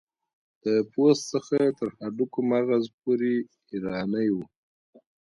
د پوست څخه تر هډوکو مغز پورې ایرانی و.